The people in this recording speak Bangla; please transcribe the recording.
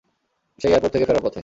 সে এয়ারপোর্ট থেকে ফেরার পথে।